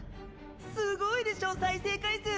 すごいでしょ再生回数！